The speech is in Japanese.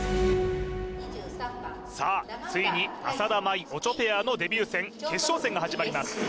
さあついに浅田舞・オチョペアのデビュー戦決勝戦が始まります